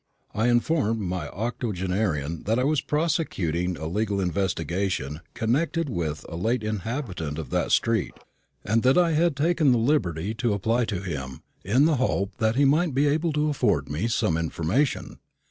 I informed my octogenarian that I was prosecuting a legal investigation connected with a late inhabitant of that street, and that I had taken the liberty to apply to him, in the hope that he might be able to afford me some information.